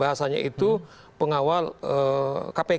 bahasanya itu pengawal kpk